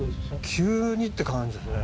急にって感じですね。